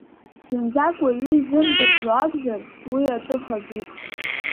Зынӡак уаҩы изымдырӡо акәзар, уи атәы хазуп.